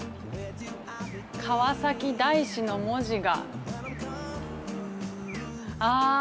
川崎大師の文字が。